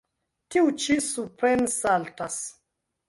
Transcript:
Tiu ĉi suprensaltas.